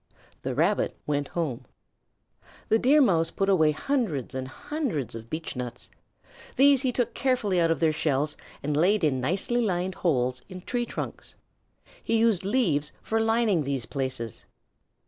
The Rabbit went home. The Deer Mouse put away hundreds and hundreds of beechnuts. These he took carefully out of their shells and laid in nicely lined holes in tree trunks. He used leaves for lining these places.